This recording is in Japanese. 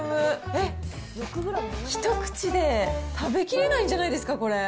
えっ、一口で食べきれないんじゃないですか、これ。